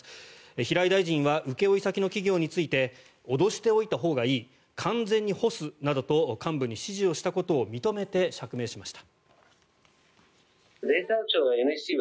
平井大臣は請負先の企業について脅しておいたほうがいい完全に干すなどと幹部に指示したことを認めて釈明しました。